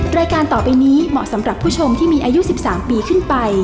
รายการต่อไปนี้เหมาะสำหรับผู้ชมที่มีอายุ๑๓ปีขึ้นไป